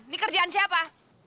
ini kerjaan siapa